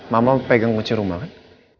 mama pegang kuci rumah kan